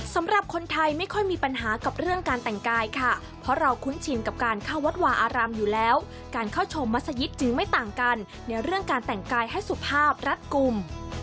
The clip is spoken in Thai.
สำหรับคนไทยไม่ค่อยมีปัญหากับเรื่องการแต่งกายค่ะเพราะเราคุ้นชินกับการเข้าวัดวาอารามอยู่แล้วการเข้าชมมัศยิตจึงไม่ต่างกันในเรื่องการแต่งกายให้สุภาพรัดกลุ่ม